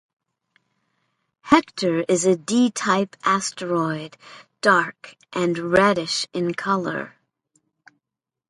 Hektor is a D-type asteroid, dark and reddish in colour.